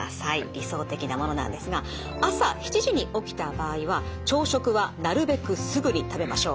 理想的なものなんですが朝７時に起きた場合は朝食はなるべくすぐに食べましょう。